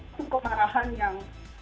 itu kemarahan yang